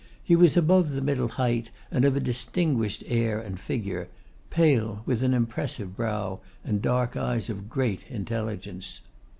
He was above the middle height, and of a distinguished air and figure; pale, with an impressive brow, and dark eyes of great intelligence.